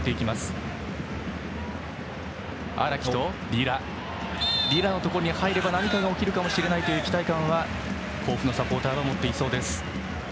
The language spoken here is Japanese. リラのところに入れば何かが起きるかもしれないという期待感は甲府のサポーターは持っていそうです。